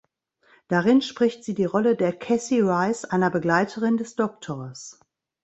Darin spricht sie die Rolle der Cassie Rice, einer Begleiterin des Doktors.